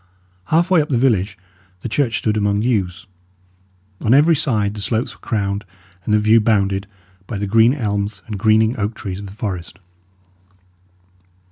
Half way up the village, the church stood among yews. On every side the slopes were crowned and the view bounded by the green elms and greening oak trees of the forest.